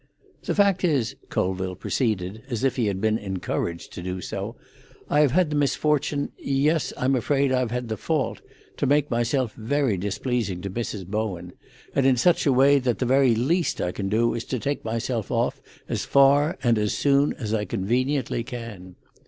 "The fact is," Colville proceeded, as if he had been encouraged to do so, "I have had the misfortune—yes, I'm afraid I've had the fault—to make myself very displeasing to Mrs. Bowen, and in such a way that the very least I can do is to take myself off as far and as soon as I conveniently can."